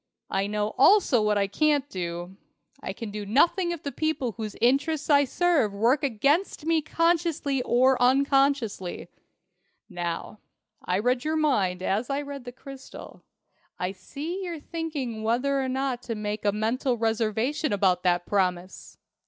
I know also what I can't do. I can do nothing if the people whose interests I serve work against me consciously or unconsciously. Now, I read your mind as I read the crystal. I see you're thinking whether or not to make a mental reservation about that promise!